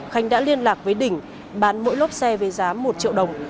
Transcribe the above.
khánh đã liên lạc với đỉnh bán mỗi lốp xe với giá một triệu đồng